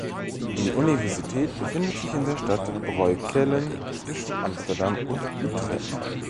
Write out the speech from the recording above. Die Universität befindet sich in der Stadt Breukelen, zwischen Amsterdam und Utrecht.